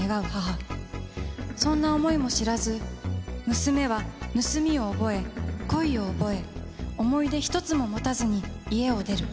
そんな思いも知らず娘は盗みを覚え恋を覚え思い出一つも持たずに家を出る。